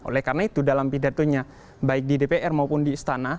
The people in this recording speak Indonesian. oleh karena itu dalam pidatonya baik di dpr maupun di istana